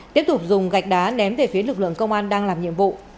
tiếp tục dùng gạch đá ném về phía lực lượng công an đang làm nhiệm vụ